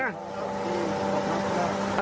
อืมครับ